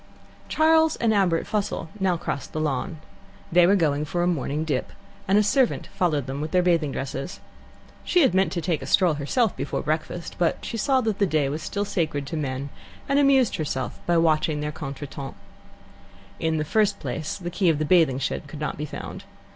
Charles and Albert Fussell now crossed the lawn. They were going for a morning dip, and a servant followed them with their bathing dresses. She had meant to take a stroll herself before breakfast, but saw that the day was still sacred to men, and amused herself by watching their contretemps. In the first place the key of the bathing shed could not be found.